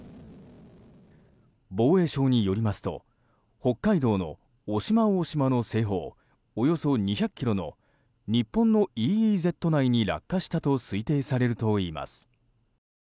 防衛省によりますと北海道の渡島大島の西方およそ２００ｋｍの日本のＥＥＺ内に落下したと推定されるといいます。